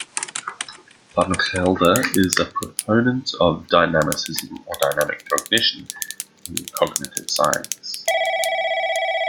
Van Gelder is a proponent of dynamicism or dynamic cognition in cognitive science.